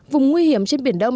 vùng nguy hiểm trên biển đông